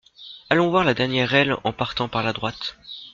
Allons voir la dernière aile, en partant par la droite.